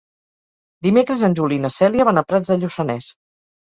Dimecres en Juli i na Cèlia van a Prats de Lluçanès.